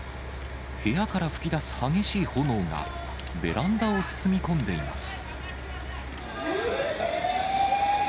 部屋から噴き出す激しい炎がベランダを包み込んでいます。